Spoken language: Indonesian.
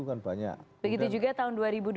kan banyak begitu juga tahun dua ribu dua puluh